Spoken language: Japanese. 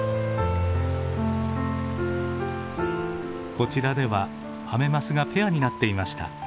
こちらではアメマスがペアになっていました。